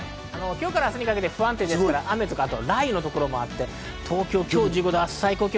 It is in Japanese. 今日から明日にかけて不安定で雨や雷雨の所もあって、東京は今日１５度、明日は１３度。